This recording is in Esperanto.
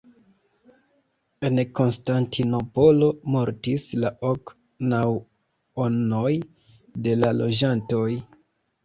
En Konstantinopolo mortis la ok naŭonoj de la loĝantoj.